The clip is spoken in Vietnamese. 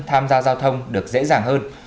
tham gia giao thông được dễ dàng hơn